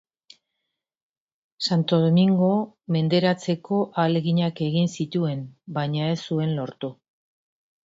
Santo Domingo menderatzeko ahaleginak egin zituen, baina ez zuen lortu.